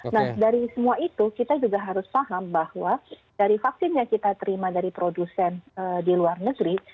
nah dari semua itu kita juga harus paham bahwa dari vaksin yang kita terima dari produsen di luar negeri